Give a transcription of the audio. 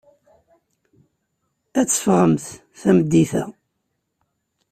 Ad teffɣemt tameddit-a.